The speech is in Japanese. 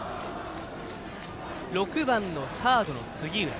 ６番サード杉浦。